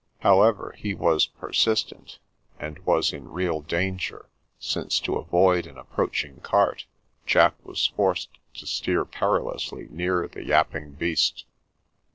However, he was per sistent, and was in real danger, since to avoid an approaching cart, Jack was forced to steer perilously near the yapping beast.